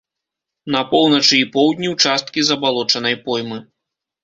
На поўначы і поўдні ўчасткі забалочанай поймы.